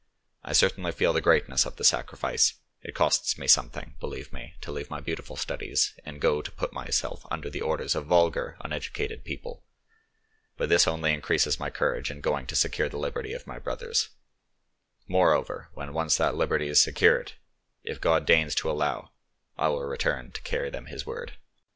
I certainly feel the greatness of the sacrifice; it costs me something, believe me, to leave my beautiful studies and go to put myself under the orders of vulgar, uneducated people, but this only increases my courage in going to secure the liberty of my brothers; moreover, when once that liberty is secured, if God deigns to allow, I will return to carry them His word.